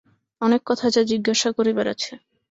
অনেক কথা যে জিজ্ঞাসা করিবার আছে।